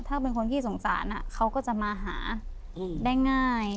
ถ้าเป็นคนขี้สงสารเขาก็จะมาหาได้ง่าย